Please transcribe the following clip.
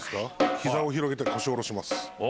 膝を広げて腰を下ろします。